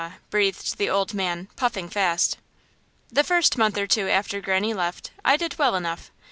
breathed the old man, puffing fast. "The first month or two after Granny left I did well enough.